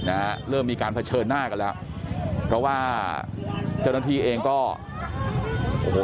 นะฮะเริ่มมีการเผชิญหน้ากันแล้วเพราะว่าเจ้าหน้าที่เองก็โอ้โห